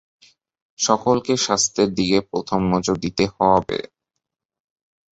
সকলকে স্বাস্থ্যের দিকে প্রথম নজর দিতে হইবে।